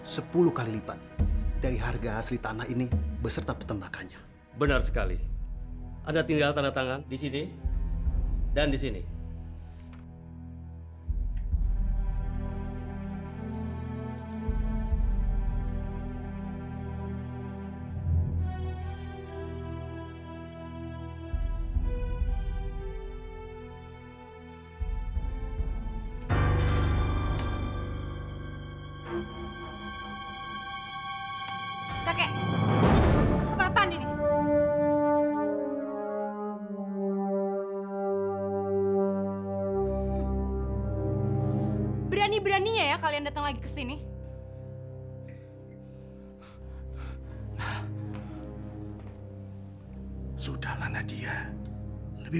sepuluh kali lipat dari harga asli tanah ini